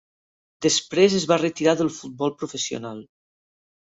Després es va retirar del futbol professional.